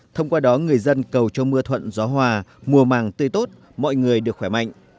thông qua đó người dân cầu cho mưa thuận gió hòa mùa màng tươi tốt mọi người được khỏe mạnh